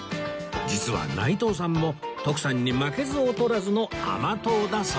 実は内藤さんも徳さんに負けず劣らずの甘党だそうです